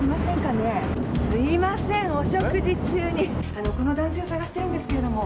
あのこの男性を捜してるんですけれども。